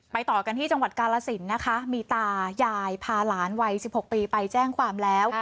ต่อกันที่จังหวัดกาลสินนะคะมีตายายพาหลานวัย๑๖ปีไปแจ้งความแล้ว